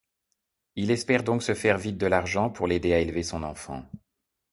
Il espère donc se faire vite de l'argent pour l'aider à élever son enfant.